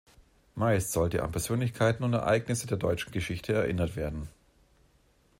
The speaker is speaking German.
Meist sollte an Persönlichkeiten und Ereignisse der deutschen Geschichte erinnert werden.